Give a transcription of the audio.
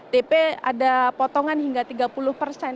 tp ada potongan hingga tiga puluh persen